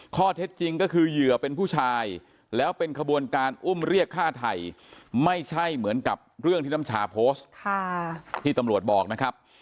ข้อเท็จจริงก็คือเหยื่อเป็นผู้ชายแล้วเป็นขบวนการอุ้มเรียกฆ่าไทยไม่ใช่เหมือนกับเรื่องที่น้ำชาโพสต์ที่ตำรวจบอกนะครับ